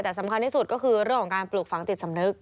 แต่สำคัญที่สุดก็คือเรื่องของการปลูกฝังจิตสำนึก